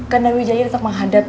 karena wijaya tetap menghadap